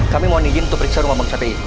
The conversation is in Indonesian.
kami mau ninggin untuk periksa rumah bang safei